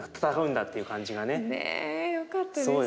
ねえよかったです。